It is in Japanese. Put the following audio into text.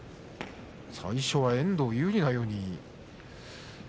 最初は遠藤有利なように。